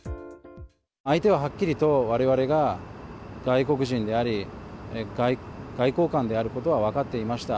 相手ははっきりとわれわれが外国人であり、外交官であることは分かっていました。